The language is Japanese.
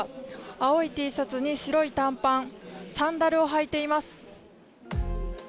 青いＴシャツに白い短パン、サンダルを履いています。